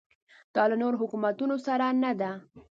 دا له نورو حکومتونو سره نه ده.